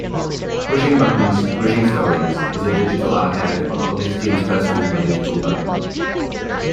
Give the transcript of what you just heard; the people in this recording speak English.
"Pushing buttons, pushing stories" is a digital archive of Augustine's personal political buttons.